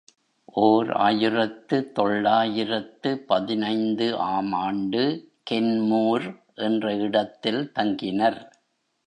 ஓர் ஆயிரத்து தொள்ளாயிரத்து பதினைந்து ஆம் ஆண்டு கென்மூர் என்ற இடத்தில் தங்கினர்.